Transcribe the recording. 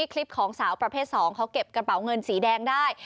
คลิปของสาวประเภท๒เขาเก็บกระเป๋าเงินสีแดงได้